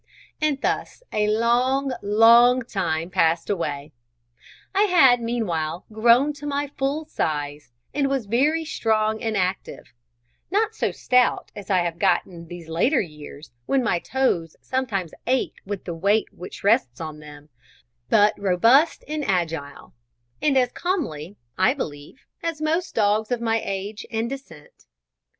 And thus a long, long time passed away. I had, meanwhile, grown to my full size, and was very strong and active: not so stout as I have got in these later years, when my toes sometimes ache with the weight which rests on them, but robust and agile, and as comely, I believe, as most dogs of my age and descent.